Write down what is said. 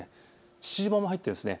父島も入っているんです。